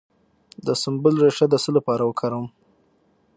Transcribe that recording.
د سنبل ریښه د څه لپاره وکاروم؟